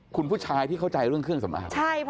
คุณผู้ชายที่เข้าใจเรื่องเครื่องสำอาง